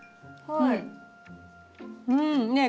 はい。